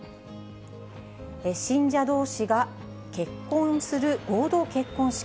信者どうしが結婚する合同結婚式。